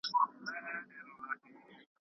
د هنر په مرسته به خپل احساسات څرګندوي.